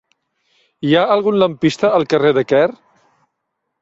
Hi ha algun lampista al carrer de Quer?